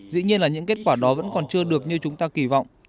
dĩ nhiên là những kết quả đó vẫn còn chưa được như chúng ta kỳ vọng